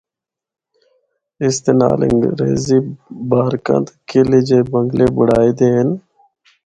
اس دے نال انگریزی بارکاں تے قعلے جیئے بنگلے بنڑائے دے ہن۔